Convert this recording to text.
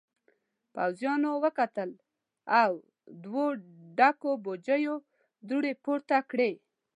پوځيانو وکتل او دوو ډکو بوجيو دوړې پورته کړې.